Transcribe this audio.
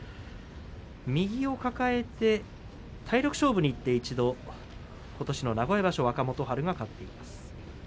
右を抱えて体力勝負にいって一度、ことしの名古屋場所若元春が勝っています。